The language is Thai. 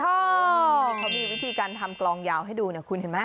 นี่เขามีวิธีการทำกลองยาวให้ดูเนี่ยคุณเห็นไหม